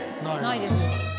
ないです。